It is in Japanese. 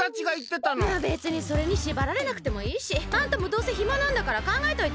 まあべつにそれにしばられなくてもいいし。あんたもどうせひまなんだからかんがえといて。